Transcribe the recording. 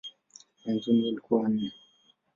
Mwanzoni walikuwa wanne.